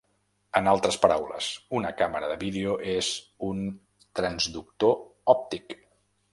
En altres paraules, una càmera de vídeo és un transductor òptic.